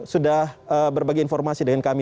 sudah berbagi informasi dengan kami